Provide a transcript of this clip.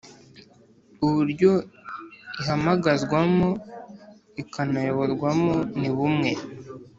Uburyo ihamagazwamo ikanayoborwamo ni bumwe